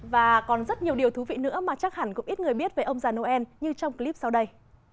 và còn rất nhiều điều thú vị nữa mà chắc hẳn cũng ít người biết về ông già noel như trong clip sau đây